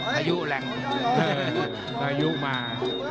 อายุแรงอายุมา